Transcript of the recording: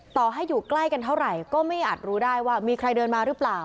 ต่อให้อยู่ใกล้กันเท่าไหร่ก็ไม่อาจรู้ได้ว่ามีใครเดินมาหรือเปล่า